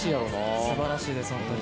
すばらしいです、本当に。